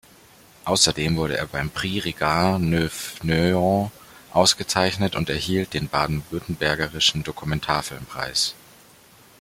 Außerdem wurde er beim "Prix regards neufs-Nyon" ausgezeichnet und erhielt den "Baden Württembergischen Dokumentarfilmpreis".